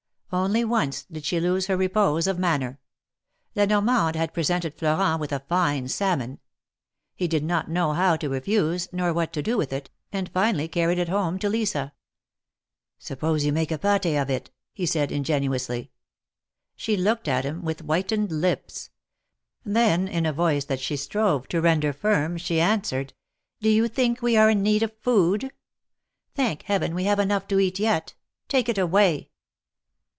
Only once did she lose her repose of manner. La Normande had presented Florent with a fine salmon. He did not know how to refuse, nor what to do with it, and finally carried it home to Lisa. " Suppose you make a pat4 of it," he said, ingenuously. She looked at him with whitened lips. Then, in a voice that she strove to render firm, she answered :" Do you think we are in need of food ? Thank Heaven, we have enough to eat yet. Take it away."